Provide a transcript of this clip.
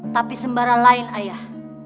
tapi sembarang lain ayah